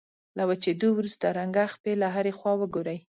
له وچېدو وروسته رنګه خپې له هرې خوا وګورئ.